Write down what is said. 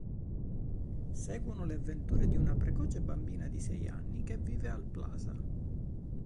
Seguono le avventure di una precoce bambina di sei anni che vive al Plaza.